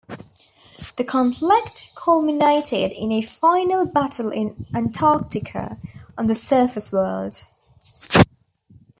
The conflict culminated in a final battle in Antarctica, on the surface world.